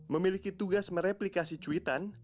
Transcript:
memiliki tugas mereplikasi cuitan